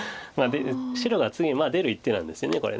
白が次出る一手なんですよねこれ。